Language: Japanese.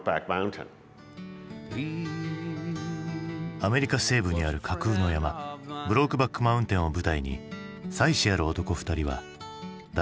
アメリカ西部にある架空の山ブロークバック・マウンテンを舞台に妻子ある男２人は誰にも言えない愛を紡いでいく。